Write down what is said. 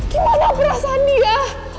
gimana perasaan dia